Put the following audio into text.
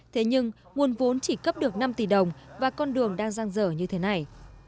thế nhưng nguồn vốn chỉ cấp được năm tỷ đồng và con đường đang giang dở như thế này